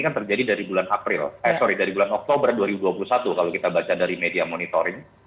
yang terjadi dari bulan oktober dua ribu dua puluh satu kalau kita baca dari media monitoring